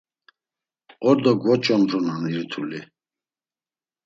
Ordo gvoç̌ondrunan irituli.